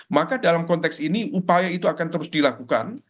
maka dalam konteks ini upaya itu akan terus dilakukan